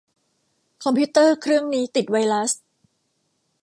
คอมพิวเตอร์เครื่องนี้ติดไวรัส